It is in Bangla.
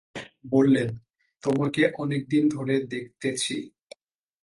বললেন, তোমাকে অনেকদিন ধরে দেখতেছি।